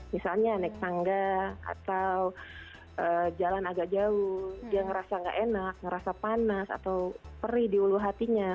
misalnya naik tangga atau jalan agak jauh dia ngerasa gak enak ngerasa panas atau perih di ulu hatinya